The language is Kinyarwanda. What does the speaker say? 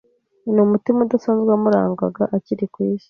n’umutima udasanzwe wamurangaga akiri ku Isi.